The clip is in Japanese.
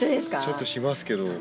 ちょっとしますけど。